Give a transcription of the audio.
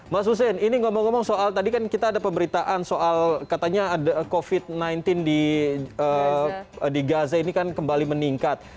mas hussein ini ngomong ngomong soal tadi kan kita ada pemberitaan soal katanya ada covid sembilan belas di gaza ini kan kembali meningkat